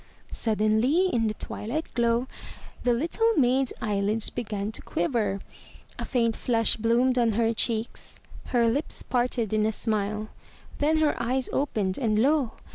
Suddenly, in the twilight glow, the little maid's eyelids began to quiver; a faint flush bloomed on her cheeks; her lips parted in a smile. Then her eyes opened, and lo